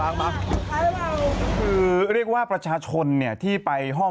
ทางแฟนสาวก็พาคุณแม่ลงจากสอพอ